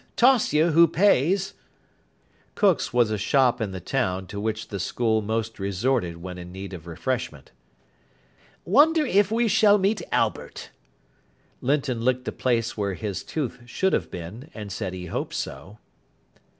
Toss you who pays." Cook's was a shop in the town to which the school most resorted when in need of refreshment. "Wonder if we shall meet Albert." Linton licked the place where his tooth should have been, and said he hoped so.